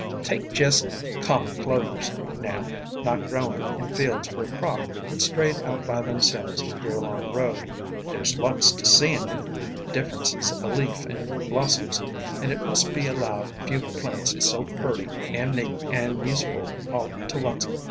"Take jest common Clovers, now, not growin' in fields for a crop, but strayed out by themselves here along the road. There 's lots to see in 'em, — differences o' leaf and blossoms, and it must be allowed few plants is so purty and neat and useful all to onct.